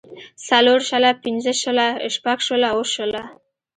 څلور شله پنځۀ شله شټږ شله اووه شله